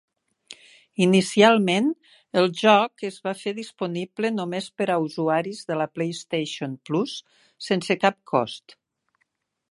Inicialment, el joc es va fer disponible només per a usuaris de la PlayStation Plus sense cap cost.